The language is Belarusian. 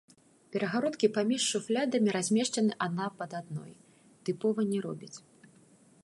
Перагародкі паміж шуфлядамі, размешчанымі адна пад адной, тыпова не робяць.